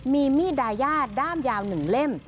มีมีดดายาด้ามยาว๑เล่ม